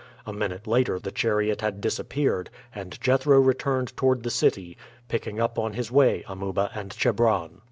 A minute later the chariot had disappeared and Jethro returned toward the city, picking up on his way Amuba and Chebron.